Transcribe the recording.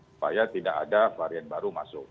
supaya tidak ada varian baru masuk